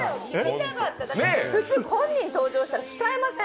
普通、本人登場した控えません！？